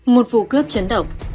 một phù cướp chấn động